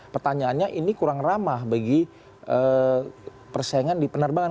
pertanyaannya ini kurang ramah bagi persaingan di penerbangan